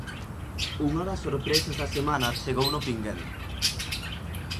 Unha das sorpresas da semana chegou no Pinguel.